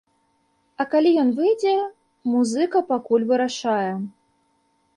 А калі ён выйдзе, музыка пакуль вырашае.